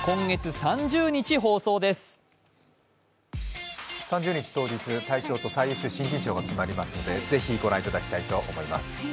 ３０日当日、大賞と最優秀賞が決まりますので、ぜひ御覧いただきたいと思います。